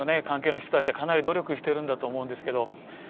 関係の人たちはかなり努力してるんだと思うんですけど。